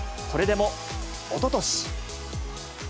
それでもおととし。